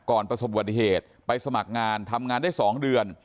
ประสบวัติเหตุไปสมัครงานทำงานได้๒เดือน